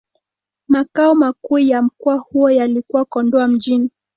Makao makuu ya mkoa huo yalikuwa Kondoa Mjini.